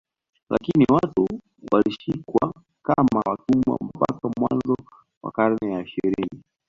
Lakini watu walishikwa kama watumwa mpaka mwanzo wa karne ya ishirini